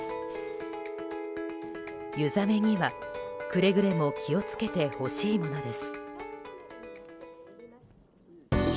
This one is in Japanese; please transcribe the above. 湯冷めには、くれぐれも気を付けてほしいものです。